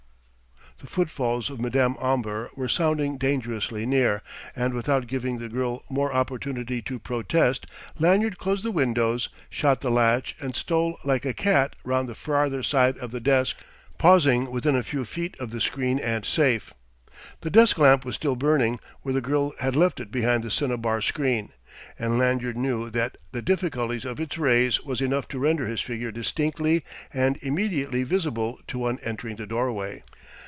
The footfalls of Madame Omber were sounding dangerously near, and without giving the girl more opportunity to protest, Lanyard closed the windows, shot the latch and stole like a cat round the farther side of the desk, pausing within a few feet of the screen and safe. The desk lamp was still burning, where the girl had left it behind the cinnabar screen; and Lanyard knew that the diffusion of its rays was enough to render his figure distinctly and immediately visible to one entering the doorway.